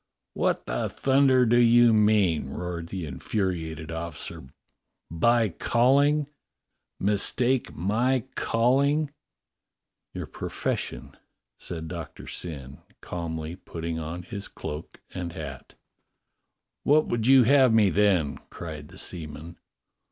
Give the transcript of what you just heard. "What the thunder do you mean?" roared the in furiated officer, "by calling ? Mistake my calling ?" "Your profession," said Doctor Syn, calmly putting on his cloak and hat. "What would you have me then?" cried the seaman.